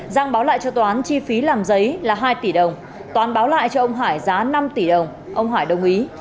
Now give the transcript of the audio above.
giang báo lại cho toán chi phí làm giấy là hai tỷ đồng toán báo lại cho ông hải giá năm tỷ đồng ông hải đồng ý